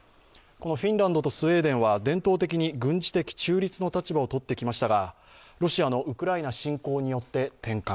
このフィンランドとスウェーデンは伝統的に軍事的中立の立場をとってきましたがロシアのウクライナ侵攻によって転換。